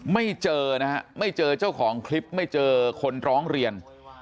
ไม่เจอเจ้าของคลิปไม่เจอคนร้องเรียน